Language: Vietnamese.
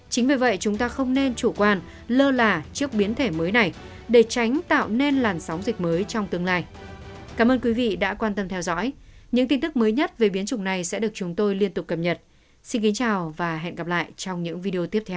chính vì vậy chúng ta không nên chủ quan lơ là trước biến thể mới này để tránh tạo nên làn sóng dịch mới trong tương lai